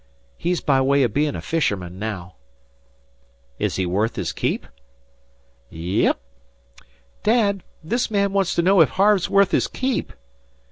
He's by way o' hem' a fisherman now." "Is he worth his keep?" "Ye ep. Dad, this man wants to know ef Harve's worth his keep.